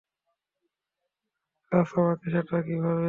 রাজ, - আমাকে, সেটা কিভাবে?